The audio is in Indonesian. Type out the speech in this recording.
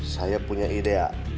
saya punya ide